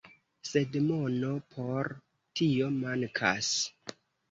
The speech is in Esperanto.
Sed mono por tio mankas.